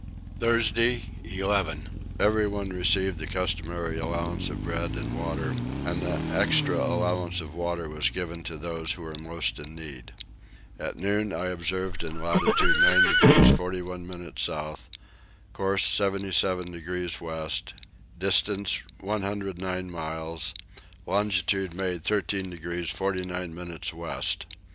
Thursday 11. Everyone received the customary allowance of bread and water, and an extra allowance of water was given to those who were most in need. At noon I observed in latitude 9 degrees 41 minutes south; course 77 degrees west, distance 109 miles; longitude made 13 degrees 49 minutes west.